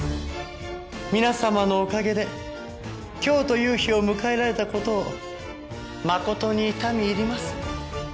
皆様のおかげで今日という日を迎えられた事誠に痛み入ります。